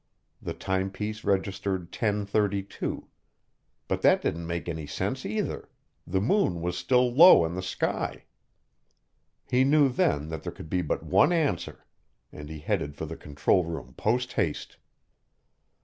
The timepiece registered 10:32. But that didn't make any sense either: the moon was still low in the sky. He knew then that there could be but one answer, and he headed for the control room posthaste.